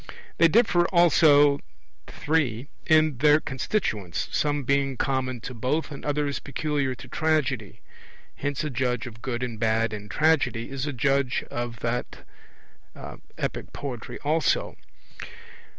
They differ also (3) in their constituents, some being common to both and others peculiar to Tragedy hence a judge of good and bad in Tragedy is a judge of that in epic poetry also.